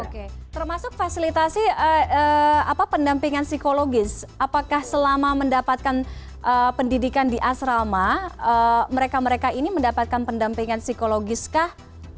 oke termasuk fasilitasi pendampingan psikologis apakah selama mendapatkan pendidikan di asrama mereka mereka ini mendapatkan pendampingan psikologis kah